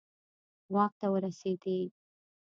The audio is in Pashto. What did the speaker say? واک ته ورسېدي.